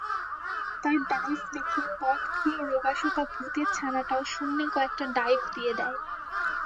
তার ডাইভ দেখে পথভুলো রোগাসোগা ভূতের ছানাটাও শূন্যে কয়েকটা ডাইভ দিয়ে দেয়।